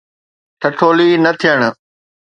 ٺٺولي نه ٿيڻ.